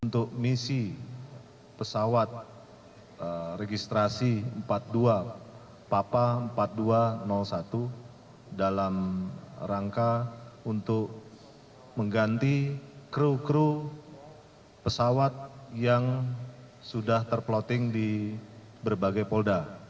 untuk misi pesawat registrasi empat puluh dua papa empat ribu dua ratus satu dalam rangka untuk mengganti kru kru pesawat yang sudah terploting di berbagai polda